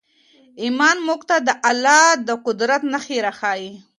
ایمان موږ ته د الله د قدرت نښې راښیي.